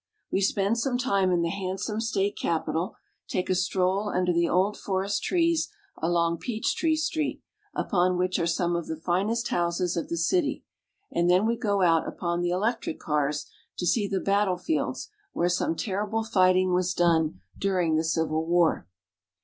We spend some time in the handsome state capitol, take a stroll under the old forest trees along Peachtree Street, upon which are some of the finest houses of the city ; and then we go out upon the electric cars to see the battlefields where some terrible fighting was done during the Civil War.